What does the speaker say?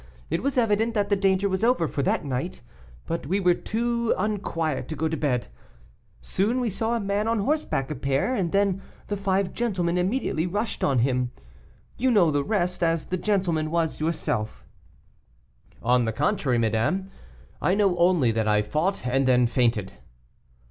It was evident that the danger was over for that night, but we were too unquiet to go to bed. Soon we saw a man on horseback appear, and then the five gentlemen immediately rushed on him. You know the rest, as the gentleman was yourself." "On the contrary, madame, I know only that I fought and then fainted."